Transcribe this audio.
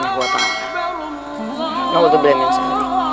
nama tuhbulin nisari